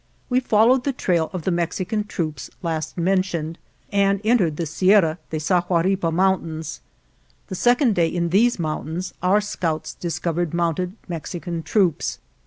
We followed the trail of the Mexican troops last mentioned and entered the Sierra de Sahuaripa Mountains. The second day in these mountains our scouts discovered mounted Mexican troops.